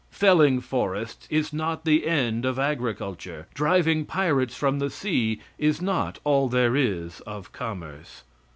Felling forests is not the end of agriculture. Driving pirates from the sea is not all there is of commerce.